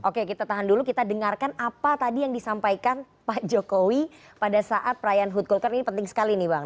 oke kita tahan dulu kita dengarkan apa tadi yang disampaikan pak jokowi pada saat perayaan hut golkar ini penting sekali nih bang